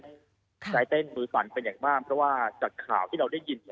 ใจเต้นมือสั่นเป็นอย่างมากเพราะว่าจากข่าวที่เราได้ยิน